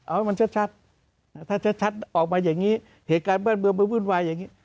เอาให้มันชัดถ้าชัดออกมาอย่างนี้เหตุการณ์บ้านเมืองไปวุ่นวายอย่างนี้